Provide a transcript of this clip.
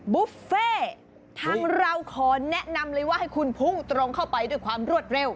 บุฟเฟ่ทางเราขอแนะนำเลยว่าให้คุณพุ่งตรงเข้าไปด้วยความรวดเร็ว